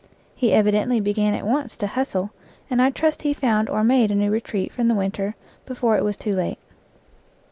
He evidently began at once to " hustle," and I trust he found or made a new retreat from the winter before it was too late.